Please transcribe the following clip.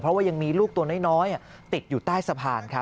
เพราะว่ายังมีลูกตัวน้อยติดอยู่ใต้สะพานครับ